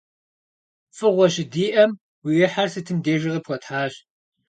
ФӀыгъуэ щыдиӀэм, уи Ӏыхьэр сытым дежи къыпхуэтхьащ.